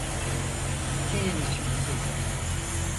Senin için üzüldüm.